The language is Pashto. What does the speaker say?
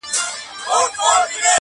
څوك به راسي د ايوب سره ملګري!.